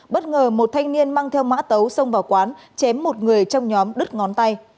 bất ngờ một thanh niên mang theo mã tấu xông vào quán chém một người trong nhóm đứt ngón tay